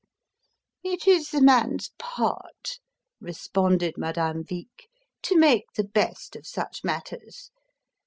"It is the man's part," responded Madame Vic, "to make the best of such matters.